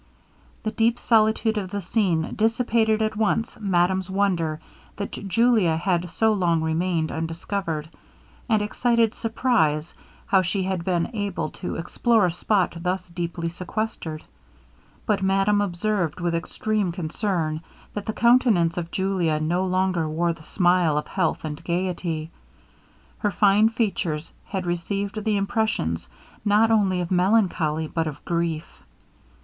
The deep solitude of the scene dissipated at once madame's wonder that Julia had so long remained undiscovered, and excited surprize how she had been able to explore a spot thus deeply sequestered; but madame observed with extreme concern, that the countenance of Julia no longer wore the smile of health and gaiety. Her fine features had received the impressions not only of melancholy, but of grief.